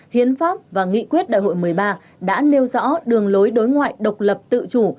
hiến pháp và nghị quyết đại hội một mươi ba đã nêu rõ đường lối đối ngoại độc lập tự chủ